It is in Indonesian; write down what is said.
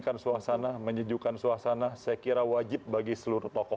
karena kita mengetahui saat ini situasi sangat teruk